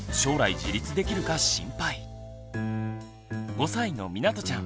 ５歳のみなとちゃん。